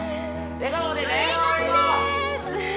笑顔でね